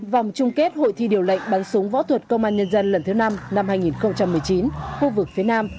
vòng chung kết hội thi điều lệnh bắn súng võ thuật công an nhân dân lần thứ năm năm hai nghìn một mươi chín khu vực phía nam